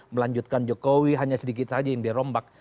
melanjutkan jokowi hanya sedikit saja yang dirombak